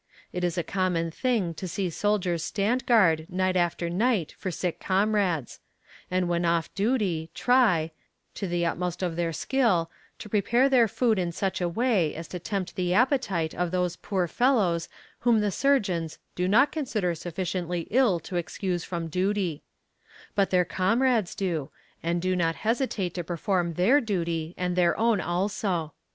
It is a common thing to see soldiers stand guard night after night for sick comrades and when off duty try, to the utmost of their skill, to prepare their food in such a way as to tempt the appetite of those poor fellows whom the surgeons "do not consider sufficiently ill to excuse from duty;" but their comrades do, and do not hesitate to perform their duty and their own also.